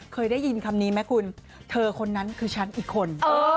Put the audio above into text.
เคยได้ยินคำนี้ไหมคุณเธอคนนั้นคือฉันอีกคน